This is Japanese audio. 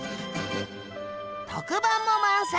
特番も満載！